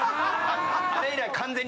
あれ以来完全に。